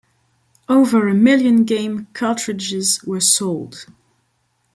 Over a million game cartridges were sold.